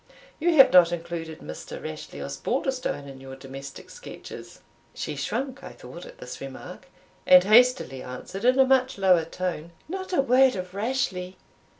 You have not included Mr. Rashleigh Osbaldistone in your domestic sketches." She shrunk, I thought, at this remark, and hastily answered, in a much lower tone, "Not a word of Rashleigh!